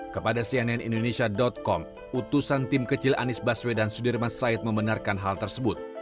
kepada cnn indonesia com utusan tim kecil anies baswedan sudirman said membenarkan hal tersebut